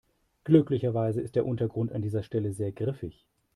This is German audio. Glücklicherweise ist der Untergrund an dieser Stelle sehr griffig.